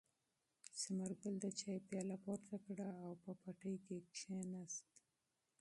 ثمرګل د چای پیاله پورته کړه او په پټي کې کېناست.